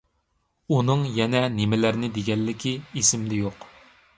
ئۇنىڭ يەنە نېمىلەرنى دېگەنلىكى ئېسىمدە يوق.